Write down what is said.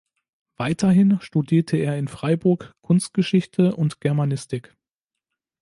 Weiterhin studierte er in Freiburg Kunstgeschichte und Germanistik.